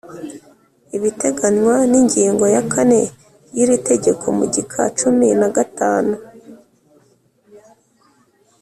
ibiteganywa n’ ingingo ya kane y’ iri tegeko mu gika cumi na gatanu